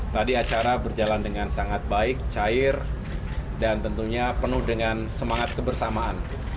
tadi acara berjalan dengan sangat baik cair dan tentunya penuh dengan semangat kebersamaan